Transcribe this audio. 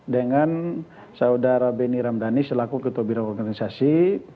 dengan saudara benny ramdhani selaku ketua bidang organisasi